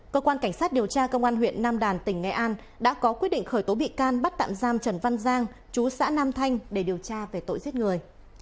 cơ quan cảnh sát điều tra công an huyện nam đàn tỉnh nghệ an đã có quyết định khởi tố bị can bắt tạm giam trần văn giang chú xã nam thanh để điều tra về tội giết người